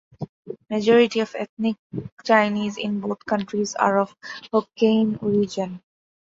Majority of ethnic Chinese in both countries are of Hokkien origin.